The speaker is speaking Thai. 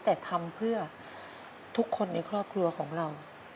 แต่ทำเพื่อทุกคนในครอบครัวของเรา